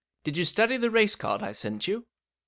Did you study the race card 1 sent you ?